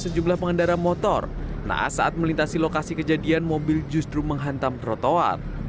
sejumlah pengendara motor nah saat melintasi lokasi kejadian mobil justru menghantam trotoar